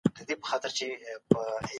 کوم شیان وګړي او ډلې یو له بل سره تړي؟